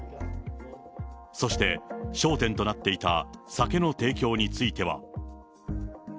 そして焦点となっていた酒の提供については。